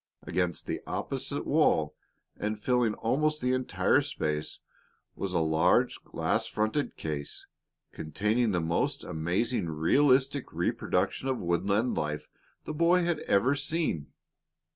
Against the opposite wall, and filling almost the entire space, was a large glass fronted case, containing the most amazingly realistic reproduction of woodland life the boy had ever seen.